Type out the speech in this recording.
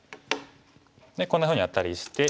でこんなふうにアタリして。